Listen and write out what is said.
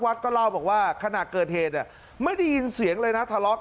วัดก็เล่าบอกว่าขนาดเกิดเหตุไม่ได้ยินเสียงเลยนะทะเลาะ